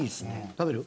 食べる？